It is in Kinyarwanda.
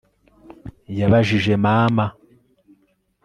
Yabajije mama